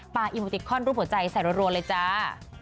ปลาอิโมติคคลรูปหัวใจใส่รวดเลยจ้า